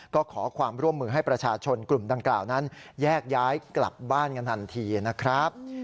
ก็ขอความร่วมมือให้ประชาชนกลุ่มดังกล่าวนั้นแยกย้ายกลับบ้านกันทันทีนะครับ